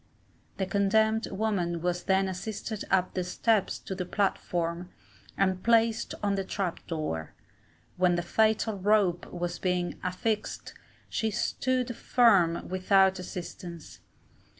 The condemned woman was then assisted up the steps to the platform, and placed on the trap door. When the fatal rope was being affixed, she stood firm without assistance.